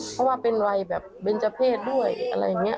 เพราะว่าเป็นวัยแบบเบนเจอร์เพศด้วยอะไรอย่างนี้